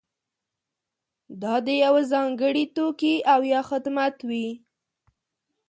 دا د یوه ځانګړي توکي او یا خدمت وي.